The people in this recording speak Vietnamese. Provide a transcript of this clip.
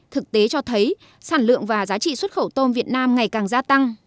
thực tế cho thấy sản lượng và giá trị xuất khẩu tôm việt nam ngày càng gia tăng